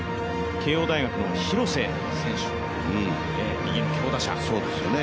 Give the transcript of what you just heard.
慶応大学の廣瀬選手、右の強打者ですね。